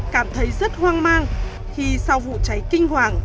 cảm thấy rất hoang mang khi sau vụ cháy kinh hoàng